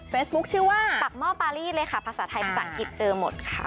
ชื่อว่าปากหม้อปารีดเลยค่ะภาษาไทยภาษาอังกฤษเจอหมดค่ะ